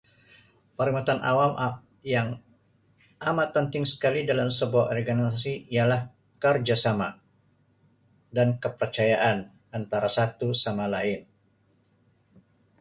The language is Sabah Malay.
Perkhidmatan awam Um yang amat penting sekali dalam sebuah organisasi ialah kerjasama dan kepercayaan antara satu sama lain